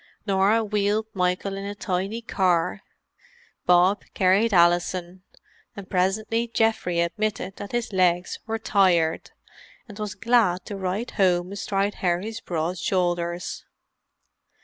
Norah wheeled Michael in a tiny car; Bob carried Alison, and presently Geoffrey admitted that his legs were tired, and was glad to ride home astride Harry's broad shoulders.